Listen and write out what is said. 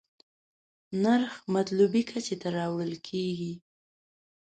نرخ مطلوبې کچې ته راوړل کېږي.